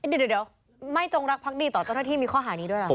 เดี๋ยวไม่จงรักพักดีต่อเจ้าหน้าที่มีข้อหานี้ด้วยเหรอ